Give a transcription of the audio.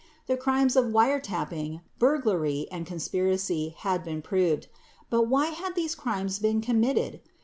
The crimes of Wiretapping, burglary and conspiracy had been proved. But, why had these crimes been committed